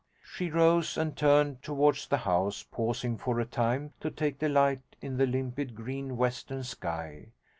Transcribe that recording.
She rose and turned towards the house, pausing for a time to take delight in the limpid green western sky.